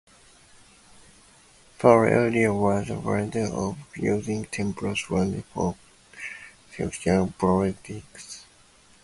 Palladio was a pioneer of using temple-fronts for secular buildings.